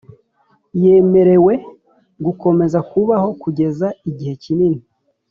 Yemerewe gukomeza kubaho kugeza igihe kinini